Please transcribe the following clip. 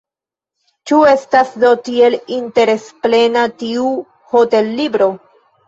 Ĉu estas do tiel interesplena tiu hotellibro?